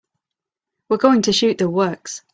We're going to shoot the works.